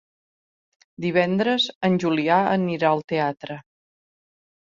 Divendres en Julià anirà al teatre.